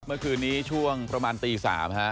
เมื่อคืนนี้ช่วงประมาณตี๓